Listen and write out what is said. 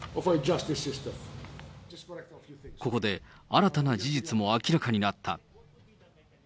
ここで、新たな事実も明らかになった。